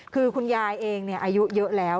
คือคุณยายเองอายุเยอะแล้ว